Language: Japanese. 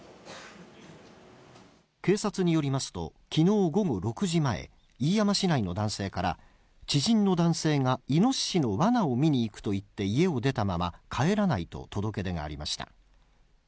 警察によりますと、きのう午後６時前、飯山市内の男性から、知人の男性がイノシシのわなを見に行くと言って家を出たまま帰らないと、届け出がありました。